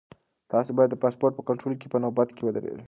تاسو باید د پاسپورټ په کنټرول کې په نوبت کې ودرېږئ.